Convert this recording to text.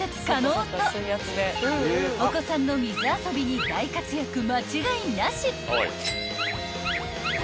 ［お子さんの水遊びに大活躍間違いなし］